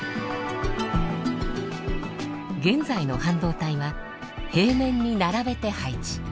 現在の半導体は平面に並べて配置。